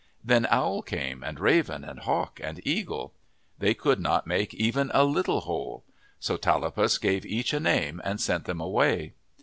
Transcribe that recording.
Then Owl came, and Raven, and Hawk, and Eagle. They could not make even a little hole. So Tallapus gave each a name and sent them away.